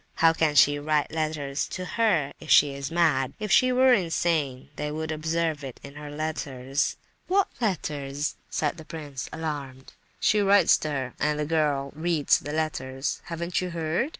How can she write letters to her, if she's mad? If she were insane they would observe it in her letters." "What letters?" said the prince, alarmed. "She writes to her—and the girl reads the letters. Haven't you heard?